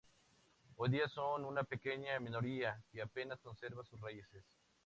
Hoy día son una pequeña minoría, que apenas conserva sus raíces.